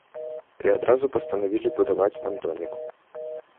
І адразу пастанавілі будаваць нам домік.